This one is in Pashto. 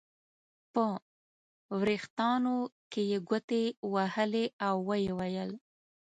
په وریښتانو کې یې ګوتې وهلې او ویې ویل.